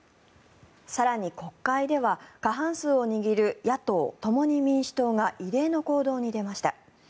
更に国会では過半数を握る野党・共に民主党が異例の行動に出ました。